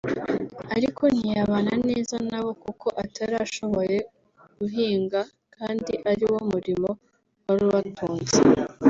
Ariko ntiyabana neza na bo kuko atari ashoboye guhinga kandi ari wo murimo wari ubatunze